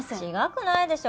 くないでしょ